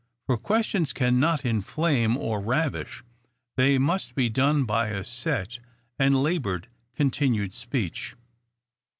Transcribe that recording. For questions cannot inflame or ravish ; that must be done by a set, and labored, and continued speech.